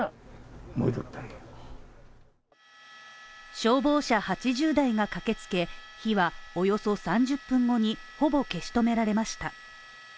消防車８０台が駆けつけ、火はおよそ３０分後にほぼ消し止められました。